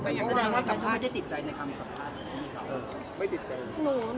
แต่แสดงว่ากับเขาไม่ได้ติดใจในคำสัมภาษณ์นี้ค่ะ